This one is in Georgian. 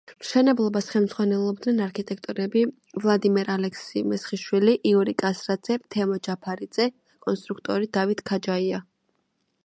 მშენებლობას ხელმძღვანელობდნენ არქიტექტორები ვლადიმერ ალექსი-მესხიშვილი, იური კასრაძე, თემო ჯაფარიძე და კონსტრუქტორი დავით ქაჯაია.